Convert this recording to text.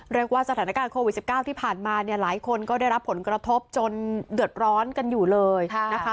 เรียกว่าสถานการณ์โควิด๑๙ที่ผ่านมาเนี่ยหลายคนก็ได้รับผลกระทบจนเดือดร้อนกันอยู่เลยนะคะ